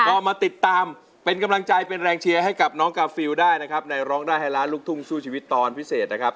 ก็มาติดตามเป็นกำลังใจเป็นแรงเชียร์ให้กับน้องกาฟิลได้นะครับในร้องได้ให้ล้านลูกทุ่งสู้ชีวิตตอนพิเศษนะครับ